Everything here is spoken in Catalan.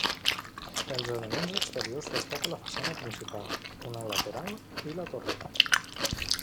Dels elements exteriors destaca la façana principal, una lateral i la torre.